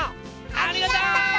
ありがとう！